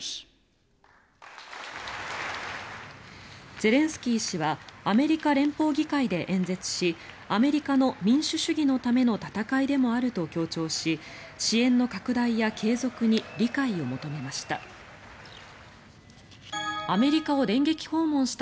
ゼレンスキー氏はアメリカ連邦議会で演説しアメリカの民主主義のための戦いでもあると強調し支援の拡大や継続に理解を求めました。